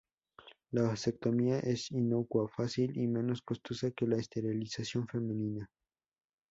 La vasectomía es inocua, fácil y menos costosa que la esterilización femenina.